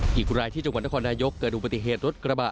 กิกุรายที่จังหวัดทศนายกเกิดดูปฏิเหตุรถกระบะ